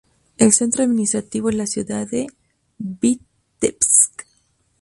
El centro administrativo es la ciudad de Vítebsk.